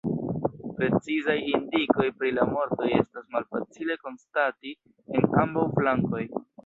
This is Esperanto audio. Precizaj indikoj pri la mortoj estas malfacile konstati en ambaŭ flankoj.